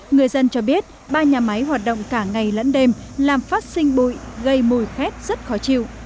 người dân cho biết ba nhà máy hoạt động cả ngày lẫn đêm làm phát sinh bụi gây mùi khét rất khó chịu